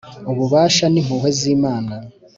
Ububasha n’impuhwe z’Imana